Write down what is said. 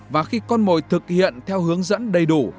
và khi con mồi thực hiện theo hướng dẫn đầy đủ